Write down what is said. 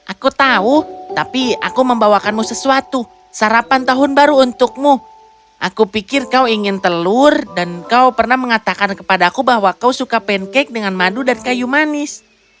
aku tahu tapi aku membawakanmu sesuatu sarapan tahun baru untukmu aku pikir kau ingin telur dan kau pernah mengatakan kepada aku bahwa kau suka pancake dengan madu dan kayu manis